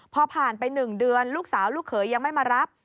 พอผ่านไป๑เดือนลูกสาวลูกเขยยังไม่มารับ